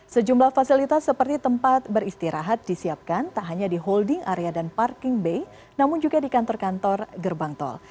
sejumlah fasilitas seperti tempat beristirahat disiapkan tak hanya di holding area dan parking bay namun juga di kantor kantor gerbang tol